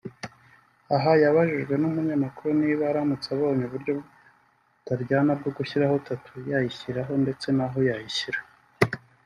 Aha yabajijwe n’umunyamakuru niba aramutse abonye uburyo butaryana bwo gushyiraho Tattoo yayishyiraho ndetse naho yayishyira